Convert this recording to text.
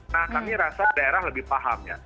nah kami rasa daerah lebih paham ya